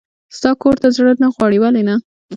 ستا کور ته زړه نه غواړي؟ ولې نه.